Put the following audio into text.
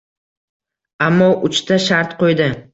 Ammo uchta shart qo`ydi